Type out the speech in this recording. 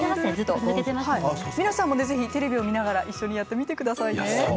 皆さんもぜひテレビを見ながら一緒にやってみてくださいね。